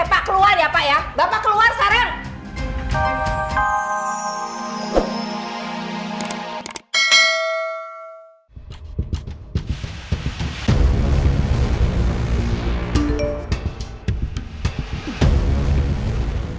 bapak keluar sekarang